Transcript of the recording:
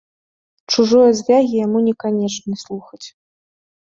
Чужое звягі яму не канечне слухаць.